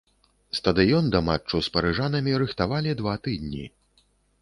Стадыён да матчу з парыжанамі рыхтавалі два тыдні.